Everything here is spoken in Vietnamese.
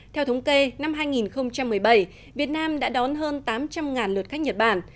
theo thống kê năm hai nghìn một mươi bảy việt nam đã đón hơn tám trăm linh lượt khách nhật bản